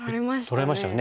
取れましたよね。